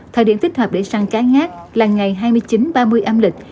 thời điểm thích hợp để săn cá ngát là ngày hai mươi chín ba mươi âm lịch